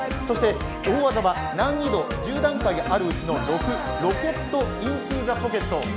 そして大技は難易度１０段階あるうちの６ロケット・イントゥ・ザ・ポケット。